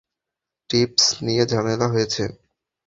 Tips নিয়ে ঝামেলা হয়েছে।